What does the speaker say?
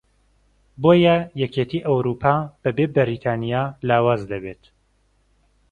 بۆیە یەکێتی ئەوروپا بەبێ بەریتانیا لاواز دەبێت